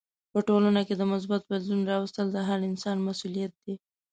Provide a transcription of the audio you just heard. په ټولنه کې د مثبت بدلون راوستل هر انسان مسولیت دی.